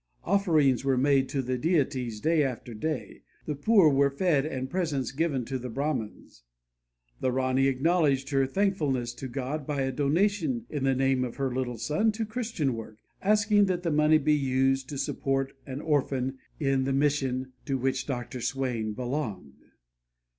Offerings were made to the deities day after day, the poor were fed and presents given to the Brahmans. The Rani acknowledged her thankfulness to God by a donation, in the name of her little son, to Christian work, asking that the money be used to support an orphan in the mission to which Dr. Swain belonged.